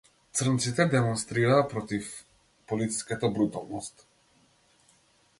Црнците демонстрираа против полициската бруталност.